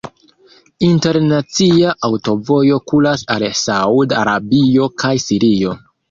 Internacia aŭtovojo kuras al Saud-Arabio kaj Sirio.